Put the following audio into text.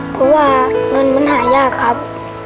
เพราะว่าเงินมันหายากครับ